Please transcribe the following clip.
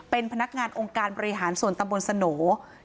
เป็นพนักงานองค์การบริหารส่วนตำบลสโหน